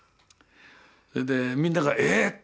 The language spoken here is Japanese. それでみんなからええっ！